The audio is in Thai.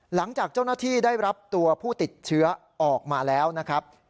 หลังจากเจ้าหน้าที่ได้รับตัวผู้ติดเชื้อออกมาแล้วนะครับ